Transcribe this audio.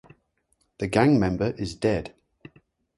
The gang member is dead.